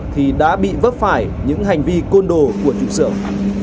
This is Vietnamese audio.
thì đã bị vấp phải những hành vi côn đồ của trụ sưởng